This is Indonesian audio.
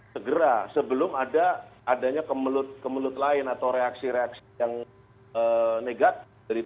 segera sebelum adanya kemelut kemelut lain atau reaksi reaksi yang negatif